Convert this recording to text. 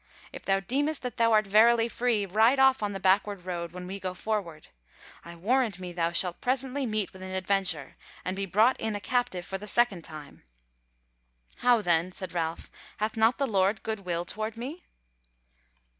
If thou deemest that thou art verily free, ride off on the backward road when we go forward; I warrant me thou shalt presently meet with an adventure, and be brought in a captive for the second time." "How then," said Ralph, "hath not the Lord good will toward me?"